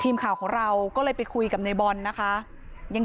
มีชายแปลกหน้า๓คนผ่านมาทำทีเป็นช่วยค่างทาง